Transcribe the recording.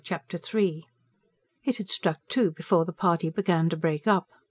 Chapter III It had struck two before the party began to break up.